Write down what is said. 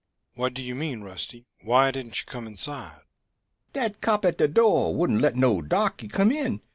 "What do you mean, Rusty? Why didn't you come inside?" "Dat cop at de door wouldn't let no darky come in.